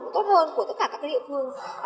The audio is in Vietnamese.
tốt hơn của tất cả các địa phương